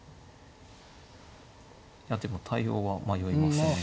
いやでも対応は迷いますね。